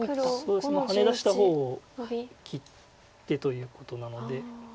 ハネ出した方を切ってということなので。